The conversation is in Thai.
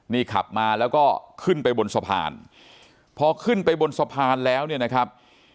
นี่ขับมาแล้วก็ขึ้นไปบนสะพานพอขึ้นไปบนสะพานแล้วเนี่ยนะครับ